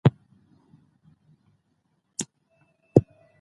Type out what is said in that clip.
د هغو حیواناتو غوښې ډیرې خوږې دي،